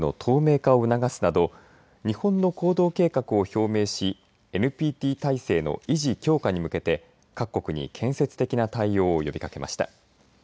核保有国に核戦力の透明化を促すなど日本の行動計画を表明しＮＰＴ体制の維持、強化に向けて各国に建設的な対応を呼びかけました。